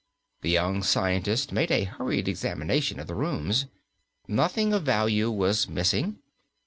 The young scientist made a hurried examination of the rooms. Nothing of value was missing.